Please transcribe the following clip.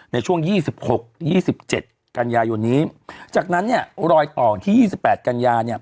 ในช่วง๒๖๒๗กันยายนนี้จากนั้นเนี่ยรอยต่อวันที่๒๘กันยาเนี่ย